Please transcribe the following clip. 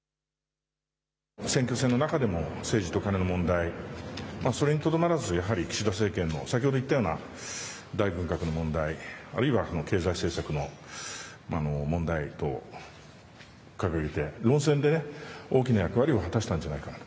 選挙戦の中でも政治とカネの問題、それにとどまらずやはり岸田政権の先ほど言ったような問題、あるいは経済政策の問題を掲げて論戦で大きな役割を果たしたんじゃないかと。